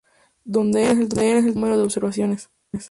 Donde "n" es el total del número de observaciones.